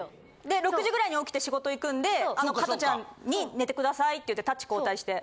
で６時ぐらいに起きて仕事行くんで加トちゃんに寝てくださいって言ってタッチ交代して。